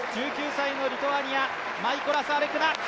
１９歳のリトアニアマイコラス・アレクナ。